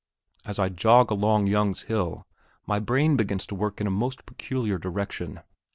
As I jog along Young's Hill my brain begins to work in a most peculiar direction.